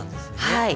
はい。